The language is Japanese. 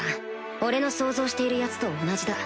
俺の想像しているヤツと同じだ